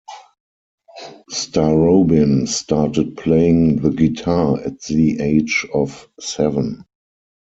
Starobin started playing the guitar at the age of seven.